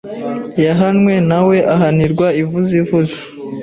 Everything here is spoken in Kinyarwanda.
yahanwe nawe ahanirwa ivuzivuzi